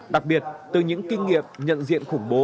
đặc biệt từ những kinh nghiệm nhận diện khủng bố